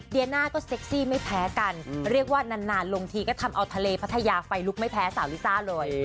เดียน่าก็เซ็กซี่ไม่แพ้กันเรียกว่านานลงทีก็ทำเอาทะเลพัทยาไฟลุกไม่แพ้สาวลิซ่าเลย